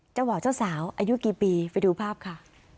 บ่าวเจ้าสาวอายุกี่ปีไปดูภาพค่ะ